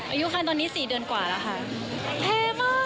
อายุขั้นตอนนี้๔เดือนกว่าแล้วค่ะ